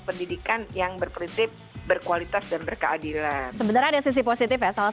pendidikan yang berprinsip berkualitas dan berkeadilan sebenarnya ada sisi positif ya salah